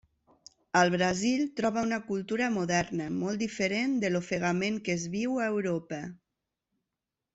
Al Brasil troba una cultura moderna, molt diferent de l'ofegament que es viu a Europa.